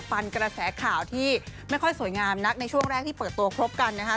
ฟันกระแสข่าวที่ไม่ค่อยสวยงามนักในช่วงแรกที่เปิดตัวครบกันนะคะ